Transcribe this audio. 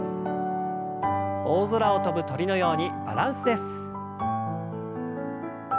大空を飛ぶ鳥のようにバランスです。